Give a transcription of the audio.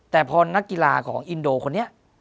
แต่พอนักกีฬาของอินโดคนนี้